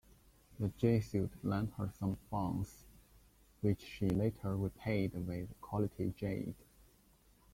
The Jesuit lent her some funds, which she later repaid with quality jade.